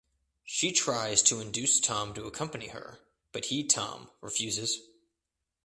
She tries to induce Tom to accompany her but he Tom refuses.